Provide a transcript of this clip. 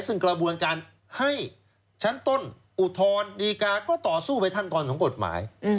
ซึ่งกระบวนการให้ชั้นต้นอุทธรณ์ดีกาก็ต่อสู้ไปขั้นตอนของกฎหมาย